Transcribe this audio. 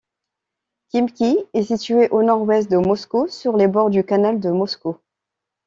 Khimki est située au nord-ouest de Moscou, sur les bords du canal de Moscou.